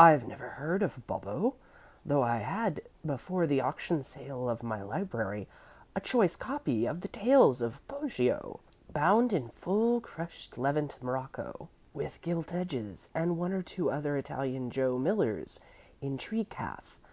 "I never heard of Bobbo, though I had, before the auction sale of my library, a choice copy of the Tales of Poggio, bound in full crushed Levant morocco, with gilt edges, and one or two other Italian Joe Millers in tree calf.